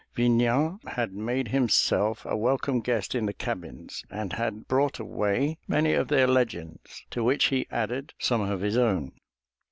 Vignan had made himself a welcome guest in the cabins, and had brought away many of their legends, to which he added some of his own.